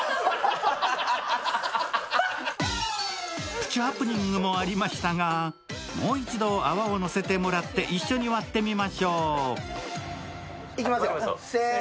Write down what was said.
プチハプニングもありましたが、もう一度泡をのせてもらって、一緒に割ってみましょう。